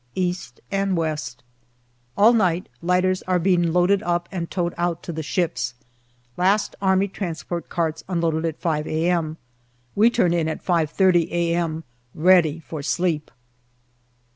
East and West. All night, lighters are being loaded up and towed out to the ships. Last A.T. carts unloaded at 5 a.m. We turn in at 5.30 a.m., ready for sleep.